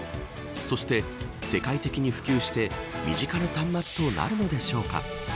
そして、世界的に普及して身近な端末となるのでしょうか。